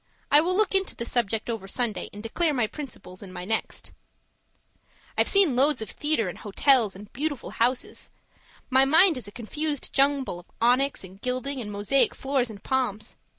I will look into the subject over Sunday, and declare my principles in my next. I've seen loads of theatres and hotels and beautiful houses. My mind is a confused jumble of onyx and gilding and mosaic floors and palms.